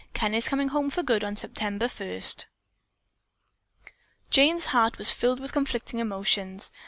Ken is coming home for good on September first." Jane's heart was filled with conflicting emotions.